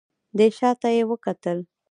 دی شا ته يې وکتل.